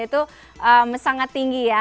itu sangat tinggi ya